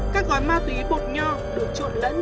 các gói ma túy bột nho được trộn lẫn